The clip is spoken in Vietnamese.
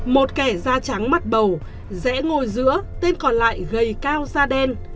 một kẻ da trắng mắt bầu rẽ ngồi giữa tên còn lại gầy cao da đen